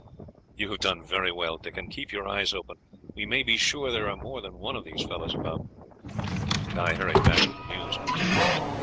"You have done very well, Dickon. Keep your eyes open; we may be sure there are more than one of these fellows about." Guy hurried back with the news.